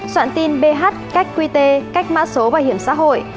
soạn tin bh cách qt cách mã số bảo hiểm xã hội